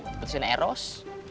tepat tepat ya ros